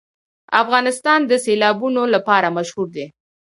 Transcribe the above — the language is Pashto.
افغانستان د سیلابونه لپاره مشهور دی.